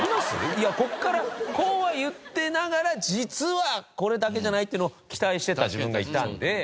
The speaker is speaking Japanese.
いやここからこうは言っていながら実はこれだけじゃない！っていうのを期待していた自分がいたので。